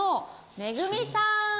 めぐみさん。